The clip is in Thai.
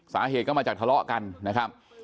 สาเหตุก็มาจากทะเลาะกันนะครับ